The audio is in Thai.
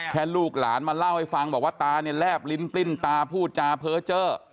ลูกหลานมาเล่าให้ฟังบอกว่าตาเนี่ยแลบลิ้นปลิ้นตาพูดจาเพ้อเจอ